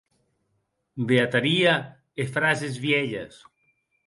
Beataria e frases vielhes!